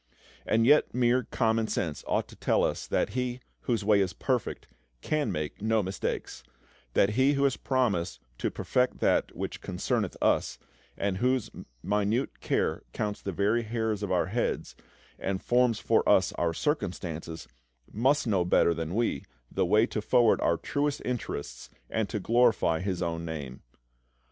And yet mere common sense ought to tell us that He, whose way is perfect, can make no mistakes; that He who has promised to "perfect that which concerneth" us, and whose minute care counts the very hairs of our heads, and forms for us our circumstances, must know better than we the way to forward our truest interests and to glorify His own Name.